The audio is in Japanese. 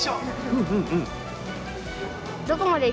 うんうんうん。